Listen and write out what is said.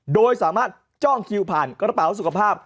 โดยสามารถจ้องคิวผ่านกระเป๋าสุขภาพ